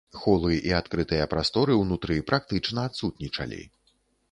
Холы і адкрытыя прасторы ўнутры практычна адсутнічалі.